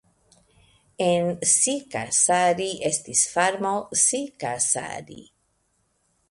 En Siikasaari estis farmo Siikasaari.